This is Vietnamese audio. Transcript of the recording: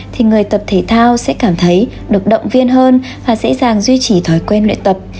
thì người tập thể thao sẽ cảm thấy được động viên hơn và dễ dàng duy trì thói quen luyện tập